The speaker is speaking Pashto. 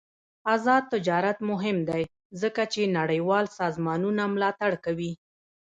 آزاد تجارت مهم دی ځکه چې نړیوال سازمانونه ملاتړ کوي.